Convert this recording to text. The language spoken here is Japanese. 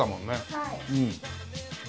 はい。